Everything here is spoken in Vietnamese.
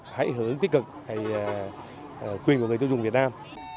hãy hướng tích cực hãy quyền của người tiêu dùng việt nam